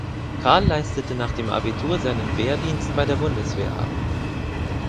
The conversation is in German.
Karl leistete nach dem Abitur seinen Wehrdienst bei der Bundeswehr ab.